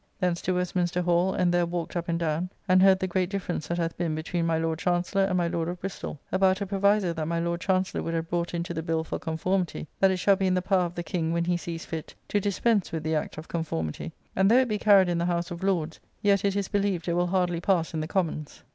Thence to Westminster Hall; and there walked up and down and heard the great difference that hath been between my Lord Chancellor and my Lord of Bristol, about a proviso that my Lord Chancellor would have brought into the Bill for Conformity, that it shall be in the power of the King, when he sees fit, to dispense with the Act of Conformity; and though it be carried in the House of Lords, yet it is believed it will hardly pass in the Commons.